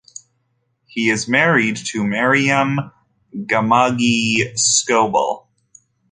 He is married to Maryam Ghaemmaghami Scoble.